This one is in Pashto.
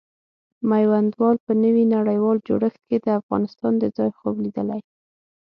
میوندوال په نوي نړیوال جوړښت کې د افغانستان د ځای خوب لیدلی.